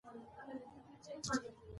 یو وخت ژمی وو او واوري اورېدلې